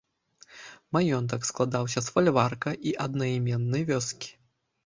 Маёнтак складаўся з фальварка і аднайменнай вёскі.